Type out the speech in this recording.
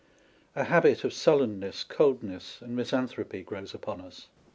A habit of sullenness, coldness, and misanthropy grows upon us.